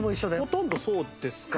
ほとんどそうですか？